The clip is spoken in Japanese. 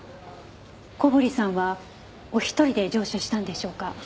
小堀さんはお一人で乗車したんでしょうか？